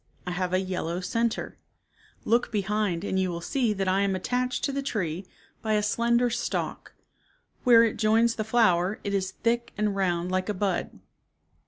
I have a yellow center. Look behind and you will see that I am attached to the tree by a slender stalk. Where it joins the flower it is thick and round like a bud."